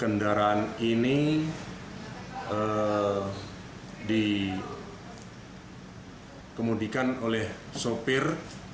kendaraan ini dikemudikan oleh sopir